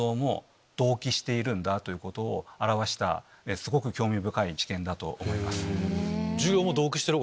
すごく興味深い治験だと思います。